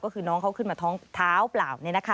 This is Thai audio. ก็คือน้องเขาขึ้นมาท้องเท้าเปล่า